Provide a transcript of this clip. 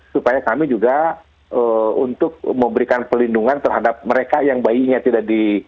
supaya kami juga untuk memberikan pelindungan terhadap mereka yang bayinya tidak di